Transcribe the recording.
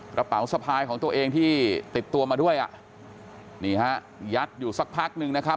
กระเป๋าสะพายของตัวเองที่ติดตัวมาด้วยอ่ะนี่ฮะยัดอยู่สักพักนึงนะครับ